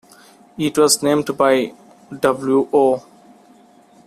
It was named by W. O.